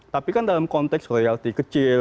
tapi kan dalam konteks royalti kecil